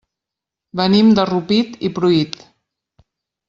Venim de Rupit i Pruit.